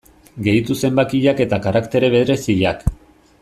Gehitu zenbakiak eta karaktere bereziak.